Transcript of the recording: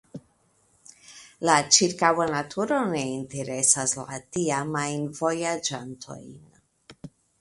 La ĉirkaŭa naturo ne interesas la tiamajn vojaĝantojn.